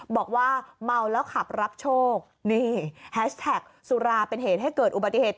บอกว่าเมาแล้วขับรับโชคนี่แฮชแท็กสุราเป็นเหตุให้เกิดอุบัติเหตุ